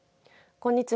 こんにちは。